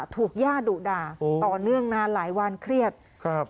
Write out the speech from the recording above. ถูกย่าดุด่าต่อเนื่องนานหลายวันเครียดครับ